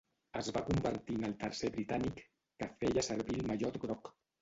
Es va convertir en el tercer britànic que feia servir el mallot groc.